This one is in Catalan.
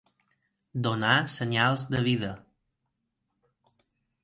Donar senyals de vida.